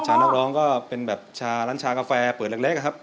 นักร้องก็เป็นแบบชาร้านชากาแฟเปิดเล็กอะครับ